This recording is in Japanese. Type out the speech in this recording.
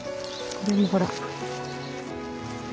これもほら。